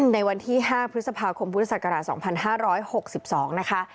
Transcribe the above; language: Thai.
ในวันที่๕พฤษภาคมพศ๒๕๖๒นะคะ